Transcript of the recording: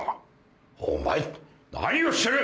お前何をしてる！